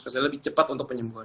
karena lebih cepat untuk penyembuhan